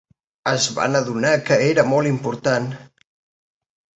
Es van adonar que era molt important.